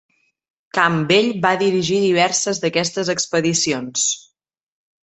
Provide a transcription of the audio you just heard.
Campbell va dirigir diverses d'aquestes expedicions.